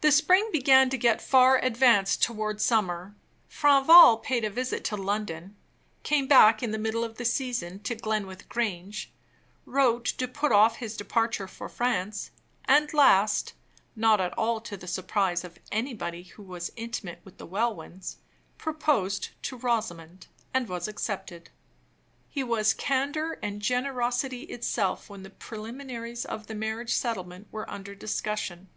The spring began to get far advanced toward summer. Franval paid a visit to London; came back in the middle of the season to Glenwith Grange; wrote to put off his departure for France; and at last (not at all to the surprise of anybody who was intimate with the Welwyns) proposed to Rosamond, and was accepted. He was candor and generosity itself when the preliminaries of the marriage settlement were under discussion.